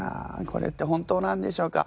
これって本当なんでしょうか？